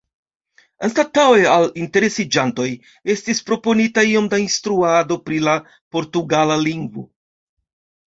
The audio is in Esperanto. Anstataŭe al interesiĝantoj estis proponita iom da instruado pri la portugala lingvo.